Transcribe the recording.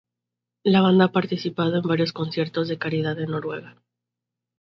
La banda ha participado en varios conciertos de caridad en Noruega.